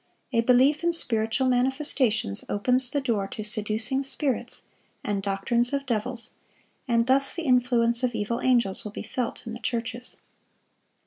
A belief in spiritual manifestations opens the door to seducing spirits, and doctrines of devils, and thus the influence of evil angels will be felt in the churches.